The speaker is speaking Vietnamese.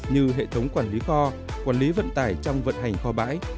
như hệ thống quản lý kho quản lý vận tải trong vận hành kho bãi